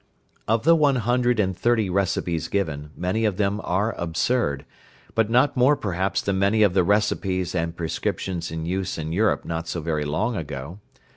Of the one hundred and thirty recipes given, many of them are absurd, but not more perhaps than many of the recipes and prescriptions in use in Europe not so very long ago.